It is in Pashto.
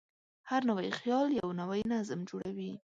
هر نوی خیال یو نوی نظم جوړوي.